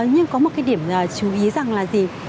nhưng có một cái điểm chú ý rằng là gì